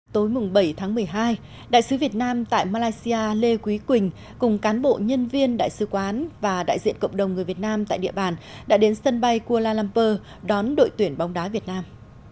tối bảy tháng một mươi hai đại sứ việt nam tại malaysia lê quý quỳnh cùng cán bộ nhân viên đại sứ quán và đại diện cộng đồng người việt nam tại địa bàn đã đến sân bay kuala lumpur đón đội tuyển bóng đá việt nam